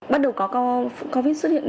bắt đầu có covid xuất hiện